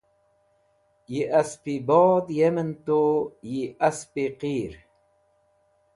Yi Asp-e Bod yemen tu, yi Asp-e Qir.